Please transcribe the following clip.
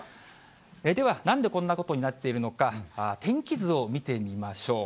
では、なんでこんなことになっているのか、天気図を見てみましょう。